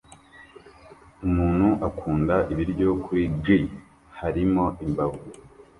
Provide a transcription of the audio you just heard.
Umuntu akunda ibiryo kuri grill harimo imbavu